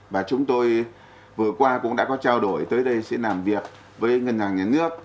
và chúng tôi vừa qua cũng đã có trao đổi tới đây sẽ làm việc với ngân hàng nhà nước